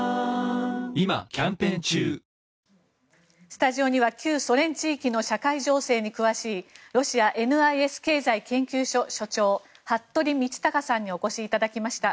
スタジオには旧ソ連地域の社会情勢に詳しいロシアＮＩＳ経済研究所所長服部倫卓さんにお越しいただきました。